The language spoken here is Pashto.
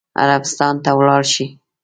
عربستان ته ولاړ شي.